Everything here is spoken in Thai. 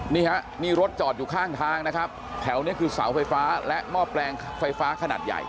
นี่ฮะนี่รถจอดอยู่ข้างทางนะครับแถวนี้คือเสาไฟฟ้าและหม้อแปลงไฟฟ้าขนาดใหญ่